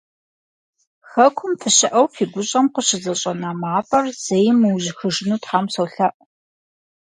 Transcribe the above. Хэкум фыщыӏэу, фи гущӏэм къыщызэщӏэна мафӏэр зэи мыужьыхыжыну Тхьэм солъэӏу!